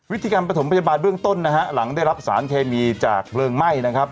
วิธีประถมพยาบาลเบื้องต้นนะฮะหลังได้รับสารเคมีจากเพลิงไหม้นะครับ